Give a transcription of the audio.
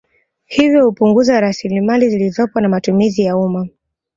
Hivyo hupunguza raslimali zilizopo za matumizi ya umma